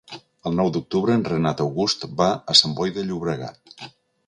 El nou d'octubre en Renat August va a Sant Boi de Llobregat.